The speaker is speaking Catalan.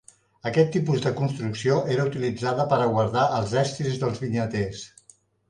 Aquest tipus de construcció era utilitzada per a guardar els estris dels vinyaters.